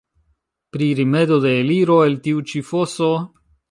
Pri rimedoj de eliro el tiu ĉi foso?